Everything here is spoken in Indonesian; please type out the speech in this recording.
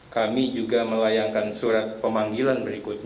kami juga melayangkan surat pemanggilan berikutnya